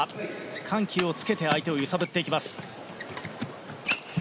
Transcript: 緩急を受けて相手を揺さぶってきます。